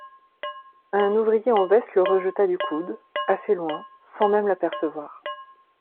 Un ouvrier en veste le rejeta du coude, assez loin, sans même l'apercevoir.